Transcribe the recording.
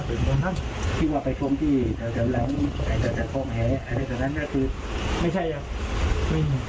ครับและอีกอีกวันนี้เตหอนก็กลับมาเล่นกับมัน